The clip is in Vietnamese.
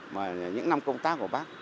mà những năm công tác của bác